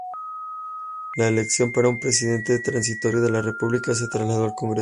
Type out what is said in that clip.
La elección para un Presidente Transitorio de la República se trasladó al Congreso.